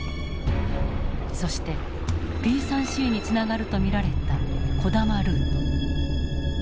そしてＰ３Ｃにつながると見られた児玉ルート。